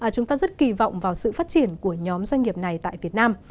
chúng ta rất kỳ vọng vào sự phát triển của nhóm doanh nghiệp này tại việt nam